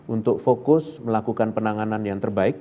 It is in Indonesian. untuk fokus melakukan penanganan yang terbaik